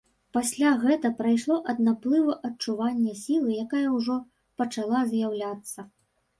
Пасля гэта прайшло ад наплыву адчування сілы, якая ўжо пачала з'яўляцца.